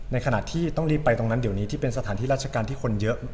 ในขณะที่ต้องรีบไปตรงนั้นเดี๋ยวนี้ที่เป็นสถานที่ราชการที่คนเยอะ